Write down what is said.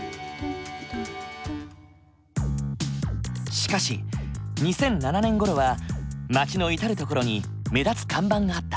しかし２００７年ごろは街の至る所に目立つ看板があった。